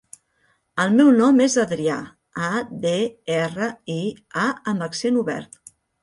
El meu nom és Adrià: a, de, erra, i, a amb accent obert.